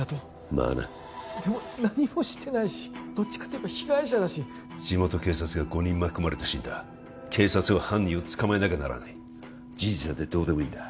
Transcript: まあなでも何もしてないしどっちかっていえば被害者だし地元警察が５人巻き込まれて死んだ警察は犯人を捕まえなきゃならない事実なんてどうでもいいんだ